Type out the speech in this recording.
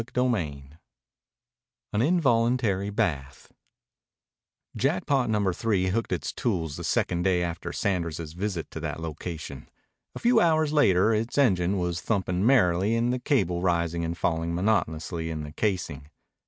CHAPTER XIX AN INVOLUNTARY BATH Jackpot Number Three hooked its tools the second day after Sanders's visit to that location. A few hours later its engine was thumping merrily and the cable rising and falling monotonously in the casing.